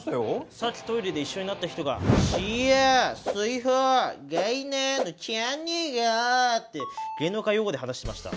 さっきトイレで一緒になった人が「シーアーソイホーガイナーのチャンネーが」って芸能界用語で話してました。